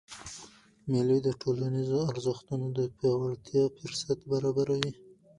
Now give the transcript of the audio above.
مېلې د ټولنیزو ارزښتونو د پیاوړتیا فُرصت برابروي.